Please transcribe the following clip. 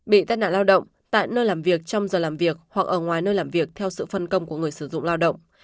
bị tai nạn lao động tại nơi làm việc trong giờ làm việc hoặc ở ngoài nơi làm việc theo sự phân công của người sử dụng lao động